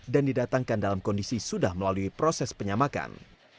dan didatangkan dalam kondisi sudah melalui proses penyamakan